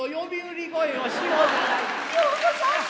ようござんす。